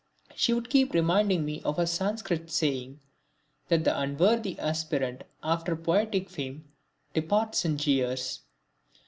She would keep reminding me of a Sanskrit saying that the unworthy aspirant after poetic fame departs in jeers!